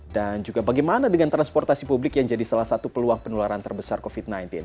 dan juga bagaimana dengan transportasi publik yang jadi salah satu peluang penularan terbesar covid sembilan belas